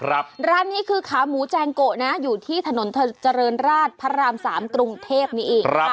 ร้านนี้คือขาหมูแจงโกะนะอยู่ที่ถนนเจริญราชพระรามสามกรุงเทพนี้อีก